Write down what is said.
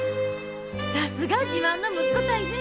さすが自慢の息子たいね。